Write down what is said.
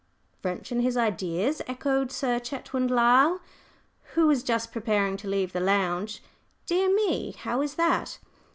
"French in his ideas!" echoed Sir Chetwynd Lyle, who was just preparing to leave the lounge. "Dear me! How is that?"